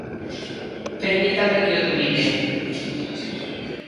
Permítame que o dubide.